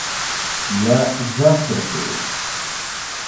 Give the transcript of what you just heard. Я завтракаю.